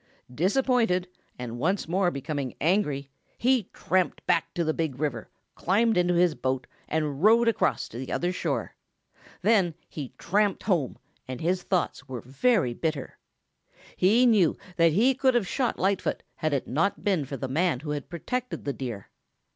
Disappointed and once more becoming angry, he tramped back to the Big River, climbed into his boat and rowed across to the other side. Then he tramped home and his thoughts were very bitter. He knew that he could have shot Lightfoot had it not been for the man who had protected the Deer.